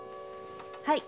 はい。